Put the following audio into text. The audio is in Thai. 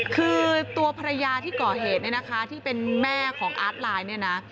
คือตัวภรรยาที่ก่อเหตุเนี่ยนะคะที่เป็นแม่ของอาร์ตไลน์เนี่ยนะ